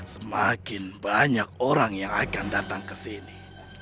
semakin banyak orang yang akan datang ke sini